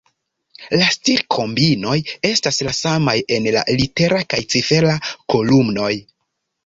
La stir-kombinoj estas la samaj en la litera kaj cifera kolumnoj.